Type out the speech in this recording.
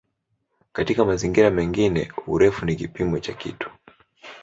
Katika mazingira mengine "urefu" ni kipimo cha kitu.